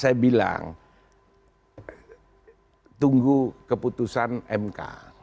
saya bilang tunggu keputusan mk